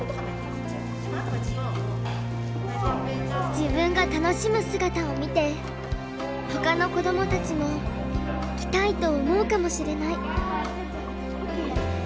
自分が楽しむ姿を見てほかの子どもたちも来たいと思うかもしれない。